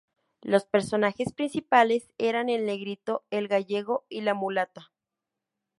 Los personajes principales eran el negrito, el gallego y la mulata.